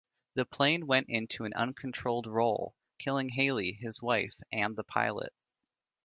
The plane went into an uncontrolled roll, killing Halley, his wife, and the pilot.